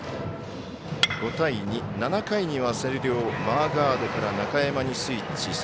５対２７回には、星稜マーガードから中山にスイッチ。